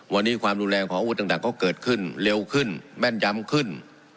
วันนี้ความรุนแรงของอาวุธต่างก็เกิดขึ้นเร็วขึ้นแม่นย้ำขึ้น